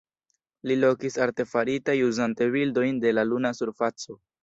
Li lokis artefaritaj uzante bildojn de la luna surfaco.